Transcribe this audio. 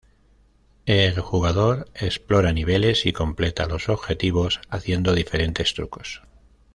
El jugador explora niveles y completa los objetivos haciendo diferentes trucos.